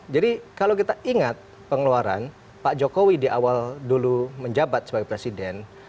jadi kalau kita ingat pengeluaran pak jokowi di awal dulu menjabat sebagai presiden